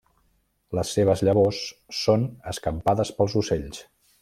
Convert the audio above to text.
Les seves llavors són escampades pels ocells.